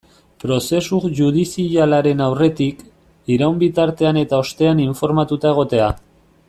Prozesu judizialaren aurretik, iraun bitartean eta ostean informatuta egotea.